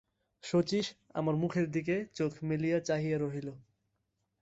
শচীশ আমার মুখের দিকে চোখ মেলিয়া চাহিয়া রহিল।